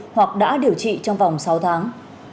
hoặc đã điều trị trong vòng sáu tháng